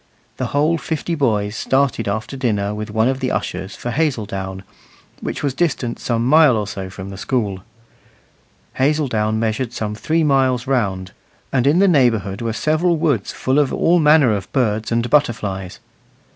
The whole fifty boys started after dinner with one of the ushers for Hazeldown, which was distant some mile or so from the school. Hazeldown measured some three miles round, and in the neighbourhood were several woods full of all manner of birds and butterflies.